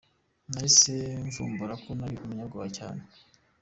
Nahise mvumbura ko ari umunyabwoba cyane.